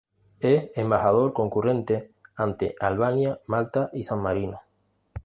Es Embajador concurrente ante Albania, Malta y San Marino.